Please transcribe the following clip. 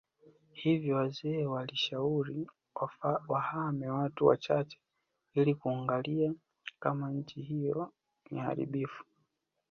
Hivyo wazee walishauri wahame watu wachache ili kuangalia kama nchii hiyo ni haribifu